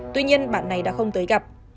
tuy nhiên bạn này đã không tới gặp